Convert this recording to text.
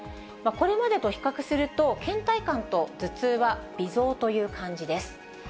これまでと比較すると、けん怠感と頭痛は微増という感じです。